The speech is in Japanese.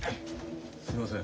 すみません